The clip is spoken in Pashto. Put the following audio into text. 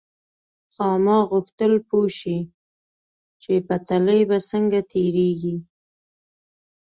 خاما غوښتل پوه شي چې پټلۍ به څنګه تېرېږي.